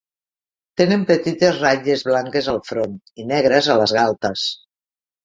Tenen petites ratlles blanques al front i negres a les galtes.